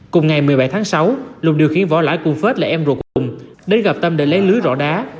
cùng ngày một mươi bảy tháng sáu lùng điều khiển võ lãi cùng phết là em ruột lùng đến gặp tâm để lấy lưới rõ đá